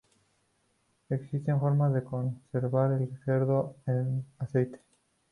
Existen formas de conservar el cerdo en aceite.